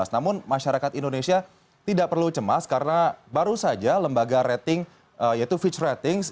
namun masyarakat indonesia tidak perlu cemas karena baru saja lembaga rating yaitu fitch ratings